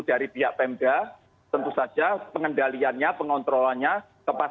dari pihak pemda tentu saja pengendaliannya pengontrolannya